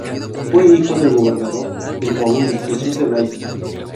Fue hijo del gobernador de Coahuila, Jesús de Valle.